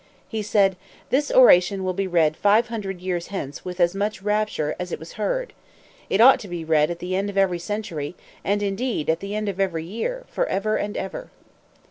He said, "This oration will be read five hundred years hence with as much rapture as it was heard. It ought to be read at the end of every century, and, indeed, at the end of every year, forever and ever."